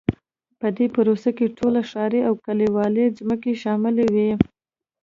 په دې پروسه کې ټولې ښاري او کلیوالي ځمکې شاملې وې.